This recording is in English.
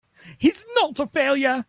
He's not a failure!